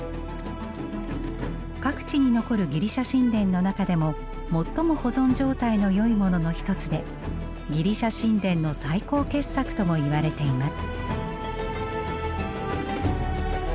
各地に残るギリシャ神殿の中でも最も保存状態のよいものの一つでギリシャ神殿の最高傑作とも言われています。